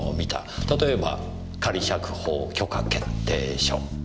例えば仮釈放許可決定書。